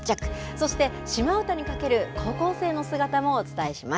そしてシマ唄にかける高校生の姿もお伝えします。